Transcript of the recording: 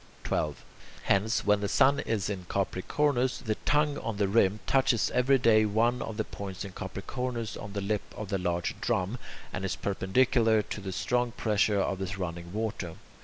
13. Hence, when the sun is in Capricornus, the tongue on the rim touches every day one of the points in Capricornus on the lip of the larger drum, and is perpendicular to the strong pressure of the running water.